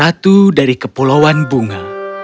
ratu dari kepulauan bunga